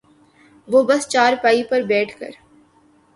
وہ بس چارپائی پر بیٹھ کر